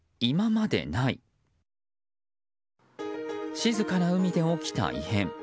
静かな海で起きた異変。